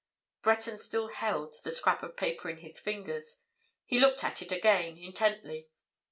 Breton still held the scrap of paper in his fingers. He looked at it again, intently.